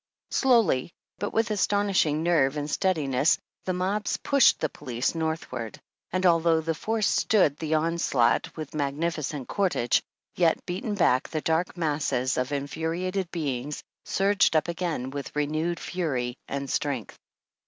Slowly, but with astonishing nerve and steadiness, the mobs pushed the police northward, and although the force stood the onslaught with magnificent cour age, yet beaten back, the dark masses of infuriated beings surged up again with renewed fury and strength.